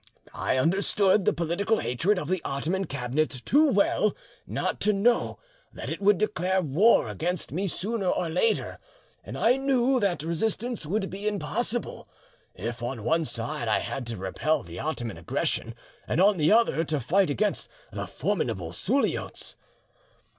I understood the political hatred of the Ottoman Cabinet too well not to know that it would declare war against me sooner or later, and I knew that resistance would be impossible, if on one side I had to repel the Ottoman aggression, and on the other to fight against the formidable Suliotes.